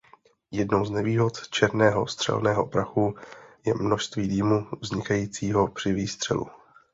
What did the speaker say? Jednou z nevýhod černého střelného prachu je množství dýmu vznikajícího při výstřelu.